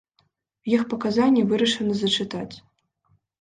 Іх паказанні вырашана зачытаць.